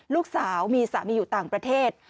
ลูกสาวมีสามีอยู่ต่างประเทศ